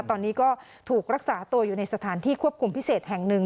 ตอนนี้ก็ถูกรักษาตัวอยู่ในสถานที่ควบคุมพิเศษแห่งหนึ่ง